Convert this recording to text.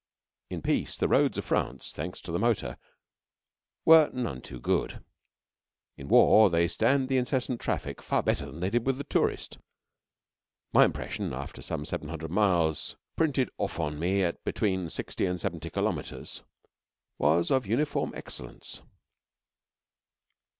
In peace the roads of France, thanks to the motor, were none too good. In war they stand the incessant traffic far better than they did with the tourist. My impression after some seven hundred miles printed off on me at between 60 and 70 kilometres was of uniform excellence.